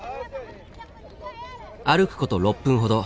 歩くこと６分ほど。